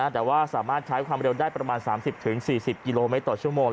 แต่ว่าสามารถใช้ความเร็วได้ประมาณ๓๐๔๐กิโลเมตรต่อชั่วโมง